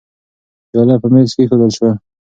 پیاله په مېز کې کېښودل شوه.